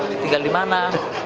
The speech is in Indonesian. yuk tinggal di mana